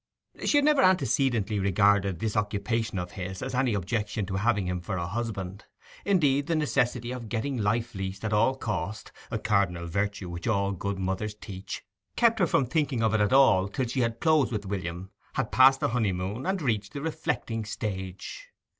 She had never antecedently regarded this occupation of his as any objection to having him for a husband. Indeed, the necessity of getting life leased at all cost, a cardinal virtue which all good mothers teach, kept her from thinking of it at all till she had closed with William, had passed the honeymoon, and reached the reflecting stage.